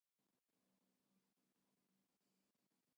By this time, Guthrie had learned the gunman had killed several people.